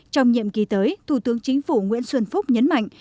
trong nhiệm kỳ tới thủ tướng chính phủ nguyễn xuân phúc nhấn mạnh